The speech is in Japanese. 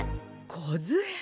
こずえ。